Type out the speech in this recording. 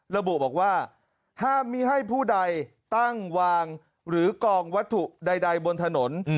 ระบุบอกว่าห้ามมีให้ผู้ใดตั้งวางหรือกองวัตถุใดบนถนน